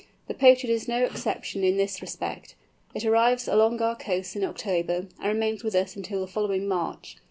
The Pochard is no exception in this respect. It arrives along our coasts in October, and remains with us until the following March.